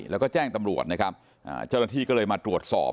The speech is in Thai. แล้วก็แจ้งตำรวจนะครับเจ้าหน้าที่ก็เลยมาตรวจสอบ